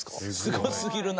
すごすぎるな。